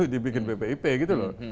dibikin bpp gitu loh